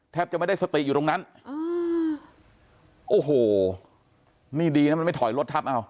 จะไม่ได้สติอยู่ตรงนั้นอ่าโอ้โหนี่ดีนะมันไม่ถอยรถทับเอา